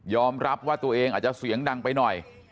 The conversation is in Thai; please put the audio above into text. รับว่าตัวเองอาจจะเสียงดังไปหน่อย